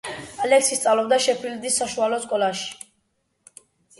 ალექსი სწავლობდა შეფილდის საშუალო სკოლაში.